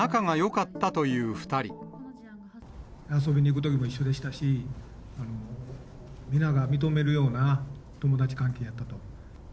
遊びに行くときも一緒でしたし、皆が認めるような友達関係やったと。